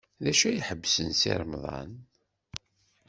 D acu ay iḥebsen Si Remḍan?